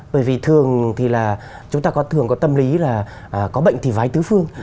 bởi vì thường thì là chúng ta có thường có tâm lý là có bệnh thì vái tứ phương